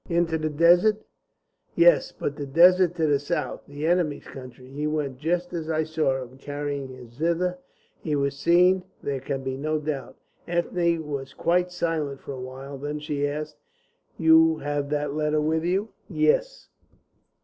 "Into the desert?" "Yes, but the desert to the south, the enemy's country. He went just as I saw him, carrying his zither. He was seen. There can be no doubt." Ethne was quite silent for a little while. Then she asked: "You have that letter with you?" "Yes."